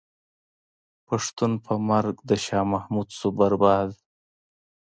پښتون په مرګ د شاه محمود شو برباد.